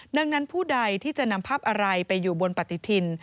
ดังนั้นผู้ใดที่จะนำภาพอะไรไปอยู่บนปฏิทิน